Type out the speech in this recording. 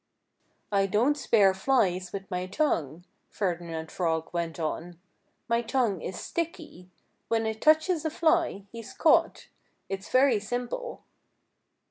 "I don't spear flies with my tongue," Ferdinand Frog went on. "My tongue is sticky. When it touches a fly, he's caught. It's very simple."